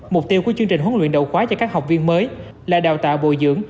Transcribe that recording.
mục tiêu của chương trình huấn luyện đầu khóa cho các học viên mới là đào tạo bồi dưỡng